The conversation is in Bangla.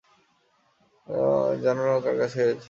জানো তারা কাদের কাছে হেরেছে?